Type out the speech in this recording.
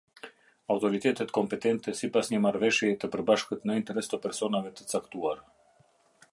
Auloritetet konpetente, sipas një marrëveshjeje të përbashkët, në interës të personave të cakluar.